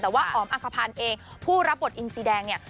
แต่ว่าอ๋อมอักภัณฑ์เองผู้รับบทอินซีแดงเนี่ย